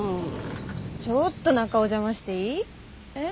ちょっと中お邪魔していい？え？